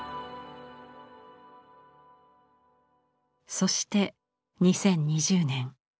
そして２０２０年。